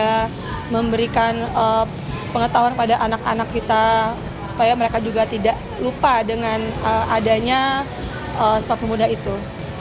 kita memberikan pengetahuan pada anak anak kita supaya mereka juga tidak lupa dengan adanya sumpah pemuda itu